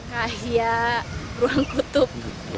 kayak beruang kutub